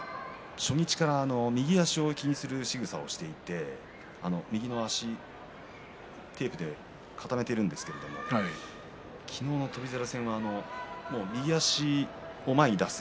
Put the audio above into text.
初日から右足を気にするしぐさをしていてテープで固めているんですが昨日の翔猿戦は右足を前にですね